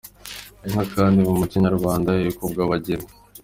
Inka kandi mu muco nyarwanda ikobwa abageni.